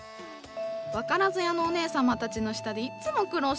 分からず屋のお姉様たちの下でいっつも苦労してる私。